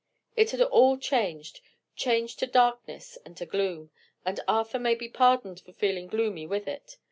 It had all changed changed to darkness and to gloom; and Arthur may be pardoned for feeling gloomy with it.